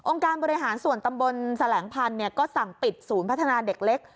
การบริหารส่วนตำบลแสลงพันธุ์ก็สั่งปิดศูนย์พัฒนาเด็กเล็ก